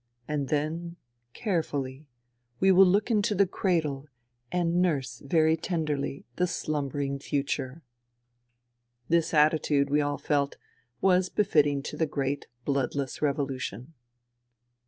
And then, carefully, we will look into the cradle and nurse very tenderly the slumbering future. THE REVOLUTION 89 This attitude, we all felt, was befitting to the great bloodless revolution.